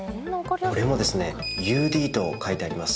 これもですね「ＵＤ」と書いてあります